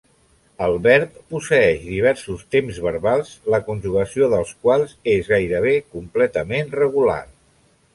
El verb posseeix diversos temps verbals la conjugació dels quals és gairebé completament regular.